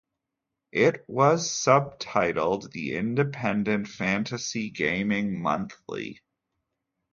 It was subtitled the Independent Fantasy Gaming Monthly.